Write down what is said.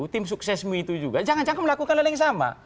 tim suksesmu itu juga jangan jangan melakukan hal yang sama